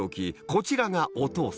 こちらがお父さん